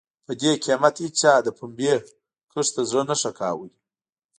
په دې قېمت هېچا د پنبې کښت ته زړه نه ښه کاوه.